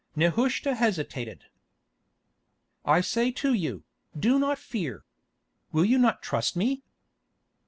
Nehushta hesitated. "I say to you, do not fear. Will you not trust me?"